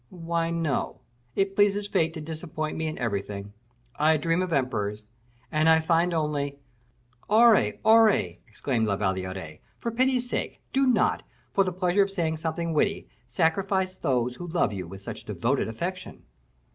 "Why, no. It pleases fate to disappoint me in everything; I dream of emperors, and I find only " "Aure, Aure!" exclaimed La Valliere, "for pity's sake, do not, for the pleasure of saying something witty, sacrifice those who love you with such devoted affection."